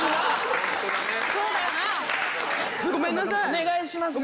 お願いします。